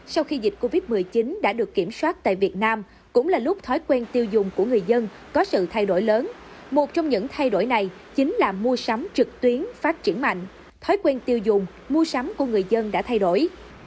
sau khi dịch covid một mươi chín đã được kiểm soát tại việt nam cũng là lúc thói quen tiêu dùng của người dân có sự thay đổi lớn một trong những thay đổi này chính là mua sắm trực tuyến phát triển mạnh thói quen tiêu dùng mua sắm của người dân đã thay đổi